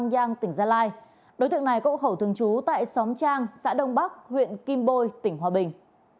câu khẩu thường trú tại xóm trang xã đông bắc huyện kim bôi tỉnh hòa bình